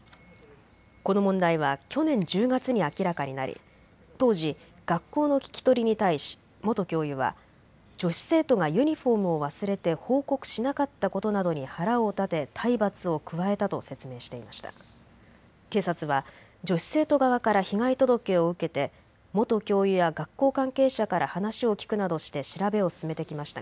この問題は去年１０月に明らかになり当時、学校の聞き取りに対し元教諭は女子生徒がユニフォームを忘れて報告しなかったことなどに腹を立て体罰を加えたと説明していました。